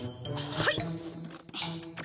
はい！